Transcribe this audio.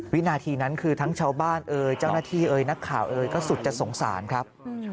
วินาทีนั้นคือทั้งชาวบ้านเอ่ยเจ้าหน้าที่เอ่ยนักข่าวเอ่ยก็สุดจะสงสารครับ